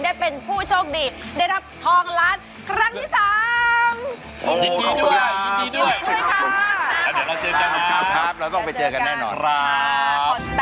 ได้เป็นผู้โชคดีนักรับทองรัฐครั้งนี้สาม